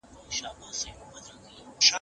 د تورو د رنګ کیفیت څنګه معلومیږي؟